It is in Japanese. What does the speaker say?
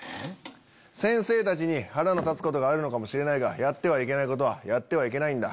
先生たちに腹の立つことがあるのかもしれないがやってはいけないことはやってはいけないんだ。